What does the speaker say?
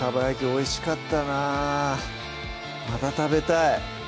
おいしかったなまた食べたい！